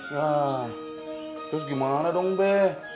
wah terus gimana dong be